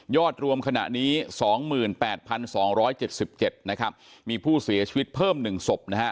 รวมขณะนี้๒๘๒๗๗นะครับมีผู้เสียชีวิตเพิ่ม๑ศพนะฮะ